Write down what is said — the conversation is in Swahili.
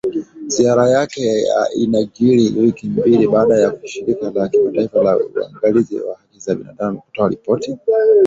Ziara yake inajiri wiki mbili baada ya Shirika la kimataifa la uangalizi wa Haki za Binadamu kutoa ripoti.